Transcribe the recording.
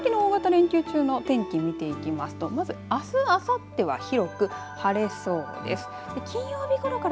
この先の大型連休中の天気を見ていきますとまずあすあさっては広く晴れそうです。